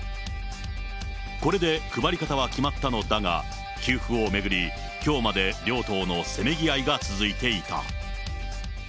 これで配り方は決まったのだが、給付を巡り、きょうまで両党のせめぎ合いが続いていた。